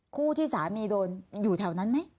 คู่ที่สามีโดนอยู่แถวนั้นไหม